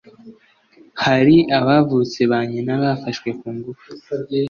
hari abavutse ba nyina bafashwe ku ngufu